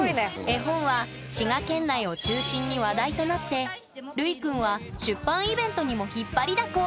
絵本は滋賀県内を中心に話題となってるいくんは出版イベントにも引っ張りだこ。